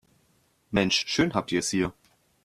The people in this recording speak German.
Mensch, schön habt ihr es hier!